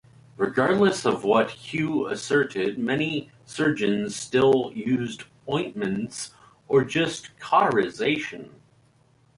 Regardless of what Hugh asserted, many surgeons still used ointments, or just cauterisation.